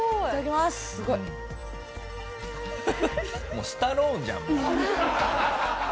もうスタローンじゃん。